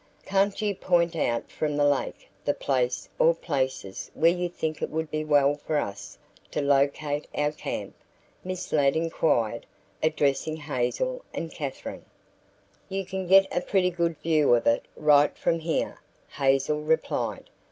"Can't you point out from the lake the place or places where you think it would be well for us to locate our camp?" Miss Ladd inquired, addressing Hazel and Katherine. "You can get a pretty good view of it right from here," Hazel replied.